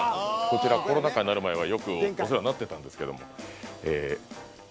こちらコロナ禍になる前はよくお世話になってたんですけども。